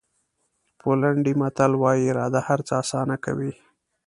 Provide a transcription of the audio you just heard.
پولنډي متل وایي اراده هر څه آسانه کوي.